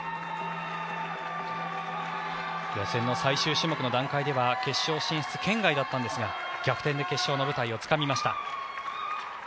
予選の最終種目の段階では決勝進出圏外だったんですが逆転で決勝の舞台をつかみました。